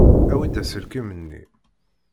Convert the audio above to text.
Awi-d aselkim-nni.